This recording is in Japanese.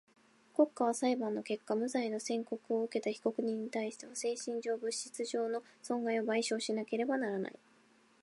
国家は裁判の結果無罪の宣告をうけた被告人にたいしては精神上、物質上の損害を賠償しなければならない。